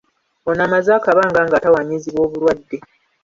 Ono amaze akabanga ng'atawanyizibwa obulwadde.